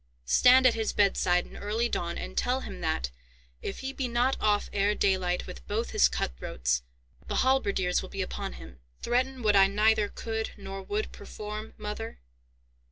Stand at his bedside in early dawn, and tell him that, if he be not off ere daylight with both his cut throats, the halberdiers will be upon him." "Threaten what I neither could nor would perform, mother?